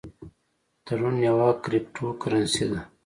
ټرون یوه کریپټو کرنسي ده